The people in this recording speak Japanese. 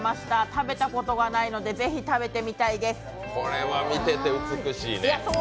食べたことがないので、ぜひ食べてみたいです。